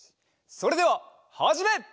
それでははじめ！